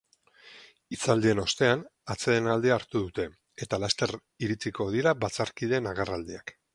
Hitzaldien ostean, atsedenaldia hartu dute, eta laster iritsiko dira batzarkideen agerraldiak.